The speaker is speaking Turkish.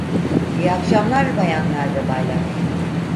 İyi akşamlar bayanlar ve baylar.